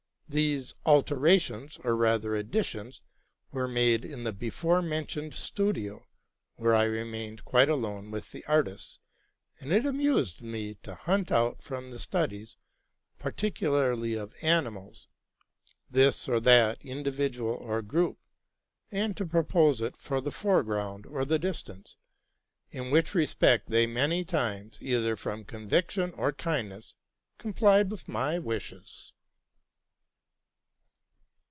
These alterations, or rather additions, were made in the before mentioned studio, where I remained quite alone with the artists; and it amused me to hunt out from the studies, particularly of animals, this or that indi 92 TRUTH AND FICTION vidual or group, and to propose it for the foreground or the distance, in which respect they many times, either from con viction or kindness, complied with my wishes.